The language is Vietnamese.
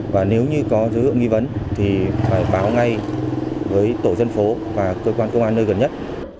và nếu như có dấu hiệu nghi vấn thì phải báo ngay với tổ dân phố và cơ quan công an nơi gần nhất